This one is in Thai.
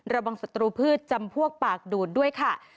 ระวังศัตรูพืชจำพวกปากดูดด้วยค่ะ